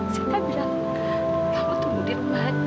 sita bilang kamu tunggu di rumah aja